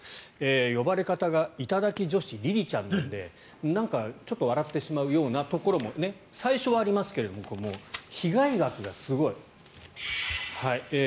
呼ばれ方が頂き女子りりちゃんなのでなんかちょっと笑ってしまうようなところも最初はありますけどもう被害額がすごい。